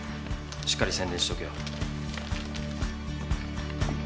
しっかり宣伝しとけよ。